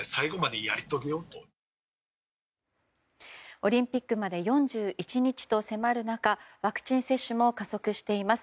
オリンピックまで４１日と迫る中ワクチン接種も加速しています。